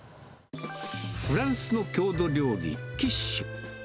フランスの郷土料理、キッシュ。